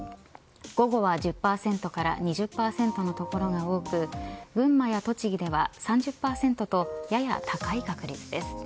午後は１０％から２０％の所が多く群馬や栃木では３０％とやや高い確率です。